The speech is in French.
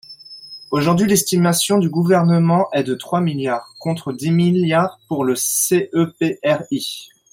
Aujourd’hui, l’estimation du Gouvernement est de trois milliards, contre dix milliards pour le CEPRI.